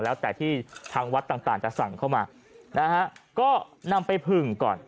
แล้วแต่ที่ทางวัดต่างจะสั่งเข้ามานะฮะก็นำไปผึ่งก่อน